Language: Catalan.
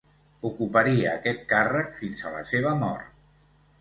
Ocuparia aquest càrrec fins a la seva mort.